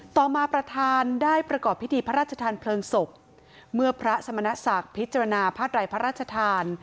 ต่อมาประธานได้ประกอบพิธีพระราชทานเพลิงศพเมื่อพระสมณศักดิ์พิจารณาผ้าไรพระราชทาน